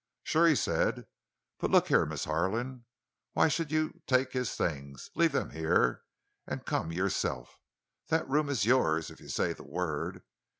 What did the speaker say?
"Sure," he said. "But, look here, Miss Harlan. Why should you take his things? Leave them here—and come yourself. That room is yours, if you say the word.